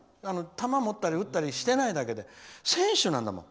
球を持ったり打ったりしてないだけで選手なんだもん。